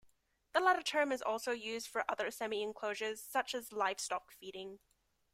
The latter term is also used for other semi-enclosures, such as for livestock feeding.